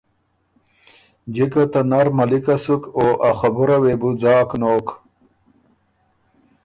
جِکه ته نر ملِکه سُک او ا خبُره وې بو ځاک نوک۔